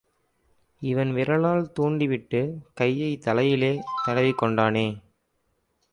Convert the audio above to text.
இவன் விரலால் தூண்டிவிட்டுக் கையைத் தலையிலே தடவிக்கொண்டானே!